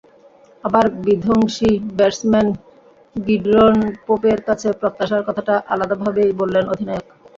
আবার বিধ্বংসী batsman Gidron পোপের কাছে প্রত্যাশার কথাটা আলাদাভাবেই বললেন অধিনায়ক।